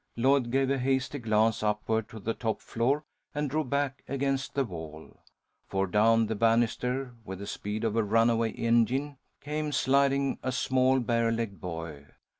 Lloyd gave a hasty glance upward to the top floor, and drew back against the wall. For down the banister, with the speed of a runaway engine, came sliding a small bare legged boy.